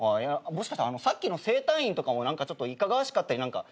もしかしたらさっきの整体院とかも何かちょっといかがわしかったり何か。